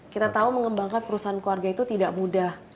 kita tahu mengembangkan perusahaan keluarga itu tidak mudah